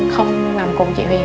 không nằm cùng chị huyền